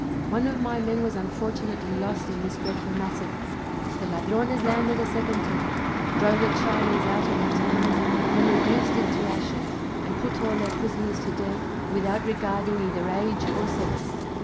One of my men was unfortunately lost in this dreadful massacre! The Ladrones landed a second time, drove the Chinese out of the town, then reduced it to ashes, and put all their prisoners to death, without regarding either age or sex!